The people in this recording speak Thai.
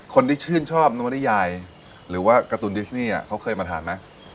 คนที่ชื่นชอบนวริยายหรือว่าการ์ตูนดิชนี่เขาเคยมาทานไหม